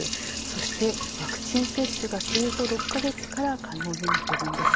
そしてワクチン接種が生後６か月から可能になっているんです。